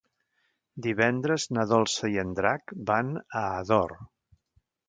Divendres na Dolça i en Drac van a Ador.